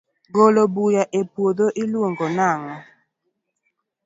golo buya e puodho i luongo nango?